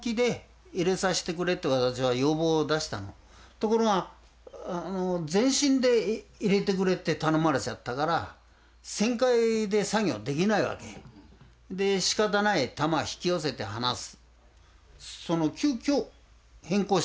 ところが前進で入れてくれって頼まれちゃったから旋回で作業できないわけ。で仕方ない球引き寄せて放す。